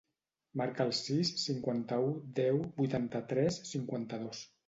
Marca el sis, cinquanta-u, deu, vuitanta-tres, cinquanta-dos.